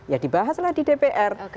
ya dibahaslah di dpr